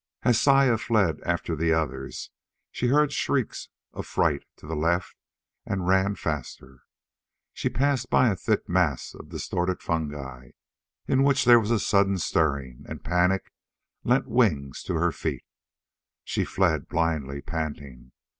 As Saya fled after the others she heard shrieks of fright to the left and ran faster. She passed by a thick mass of distorted fungi in which there was a sudden stirring and panic lent wings to her feet. She fled blindly, panting.